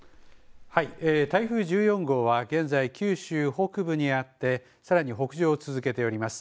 台風１４号は現在、九州北部にあって、さらに北上を続けております。